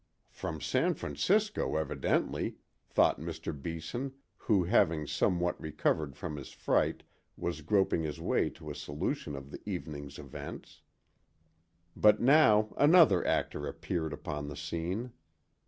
"From San Francisco, evidently," thought Mr. Beeson, who having somewhat recovered from his fright was groping his way to a solution of the evening's events. But now another actor appeared upon the scene.